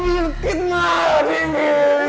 sakit banget ini